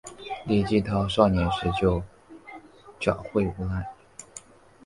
李继韬少年时就狡狯无赖。